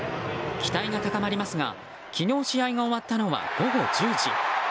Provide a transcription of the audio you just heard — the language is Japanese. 期待が高まりますが昨日、試合が終わったのは午後１０時。